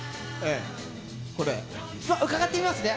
伺ってみますね。